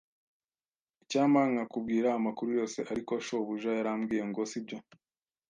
Icyampa nkakubwira amakuru yose, ariko shobuja yarambwiye ngo sibyo.